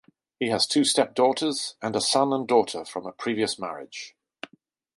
He has two stepdaughters, and a son and daughter from a previous marriage.